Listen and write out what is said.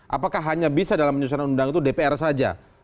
apakah hanya bisa dalam penyusunan undang itu dpr saja